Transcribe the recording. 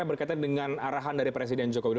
berkaitan dengan arahan dari presiden jokowi